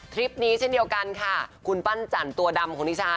คลิปนี้เช่นเดียวกันค่ะคุณปั้นจันตัวดำของนิชา